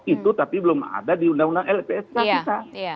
itu tapi belum ada di undang undang lpsk kita